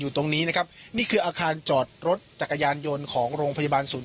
ตรงนี้นะครับนี่คืออาคารจอดรถจักรยานยนต์ของโรงพยาบาลศูนย์